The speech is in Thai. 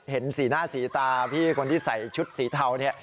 เห็นสีหน้าสีตาพี่คนที่ใส่ชุดสีเทาเนี่ย